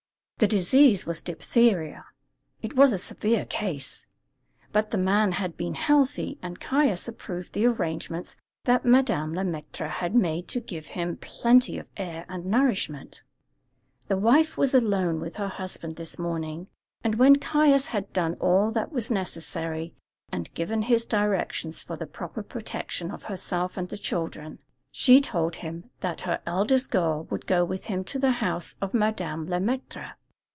The disease was diphtheria. It was a severe case; but the man had been healthy, and Caius approved the arrangements that Madame Le Maître had made to give him plenty of air and nourishment. The wife was alone with her husband this morning, and when Caius had done all that was necessary, and given her directions for the proper protection of herself and the children, she told him that her eldest girl would go with him to the house of Madame Le Maître.